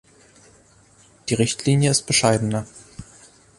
Die Richtlinie ist bescheidener.